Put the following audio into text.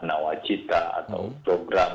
nawacita atau program